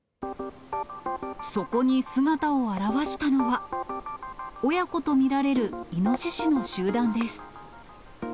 そこに姿を現したのは、親子と見られるイノシシの集団です。